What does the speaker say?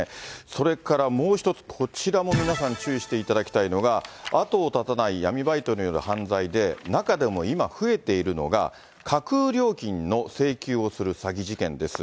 それからもう一つ、こちらも皆さん注意していただきたいのが、後を絶たない闇バイトによる犯罪で、中でも今増えているのが、架空料金の請求をする詐欺事件です。